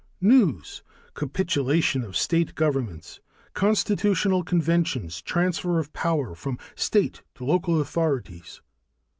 News: Capitulation of state governments. Constitutional conventions, transfer of power from state to local authorities.